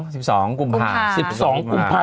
สิบสองกุมภาษน์